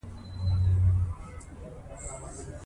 انګور د افغانستان د کلتوري میراث یوه برخه ده.